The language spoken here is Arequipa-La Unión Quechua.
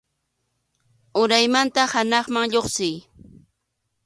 Uraymanta hanaqman lluqsiy.